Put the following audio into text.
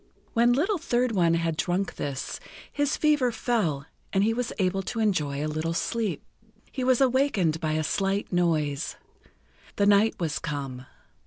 When Little Third One had drunk this, his fever fell, and he was able to enjoy a little sleep. He was awakened by a slight noise. The night was come.